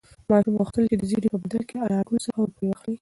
ماشوم غوښتل چې د زېري په بدل کې له انارګل څخه روپۍ واخلي.